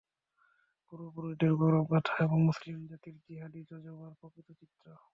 পূর্বপুরুষের গৌরব-গাঁথা এবং মুসলিম জাতির জিহাদী জযবার প্রকৃত চিত্র।